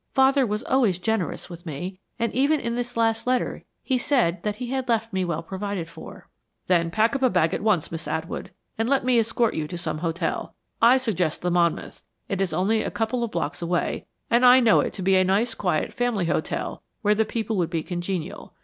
Father was always generous with me, and even in his last letter he said that he had left me well provided for." "Then pack up a bag at once, Miss Atwood, and let me escort you to some hotel. I suggest the Monmouth. It is only a couple of blocks away and I know it to be a nice, quiet family hotel where the people would be congenial.